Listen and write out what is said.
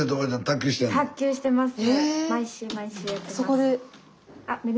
卓球してます。